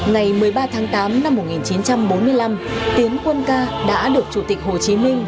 ngày một mươi ba tháng tám năm một nghìn chín trăm bốn mươi năm tiến quân ca đã được chủ tịch hồ chí minh